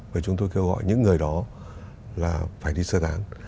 và chúng tôi kêu gọi những người đó là phải đi sơ tán